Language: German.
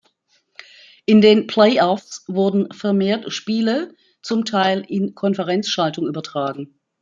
In den Play-Offs wurden vermehrt Spiele, zum Teil in Konferenzschaltung, übertragen.